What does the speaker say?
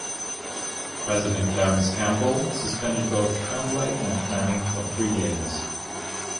President Clarence Campbell suspended both Tremblay and Fleming for three games.